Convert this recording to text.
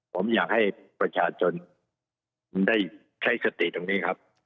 ผมอยากให้ประชาชนได้ใช้สติตรงนี้ครับ